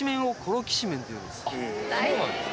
そうなんですか！